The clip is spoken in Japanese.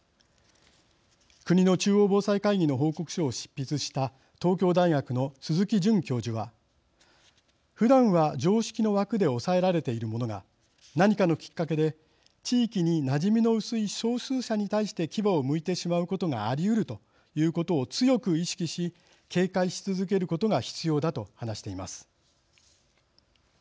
国の中央防災会議の報告書を執筆した東京大学の鈴木淳教授はふだんは常識の枠で抑えられているものが何かのきっかけで地域になじみの薄い少数者に対して牙をむいてしまうことがありうるということを強く意識し警戒し続けることが必要だと話しています。